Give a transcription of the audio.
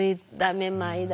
めまいだ